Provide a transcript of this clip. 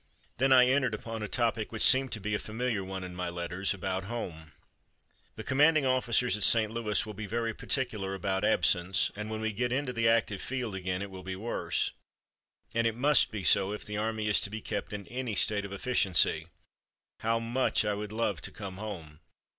Then I entered upon a topic which seemed to be a familiar one in my letters, about home: "The commanding officers at St. Louis will be very particular about absence, and when we get into the active field again it will be worse. And it must be so, if the army is to be kept in any state of efficiency. How much I would love to come home.